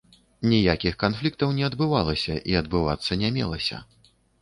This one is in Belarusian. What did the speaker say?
Ніякіх канфліктаў не адбывалася і адбывацца не мелася.